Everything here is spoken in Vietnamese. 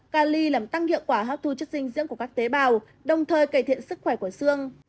cali làm tăng hiệu quả hấp thu chất dinh dưỡng của các tế bào đồng thời cải thiện sức khỏe của xương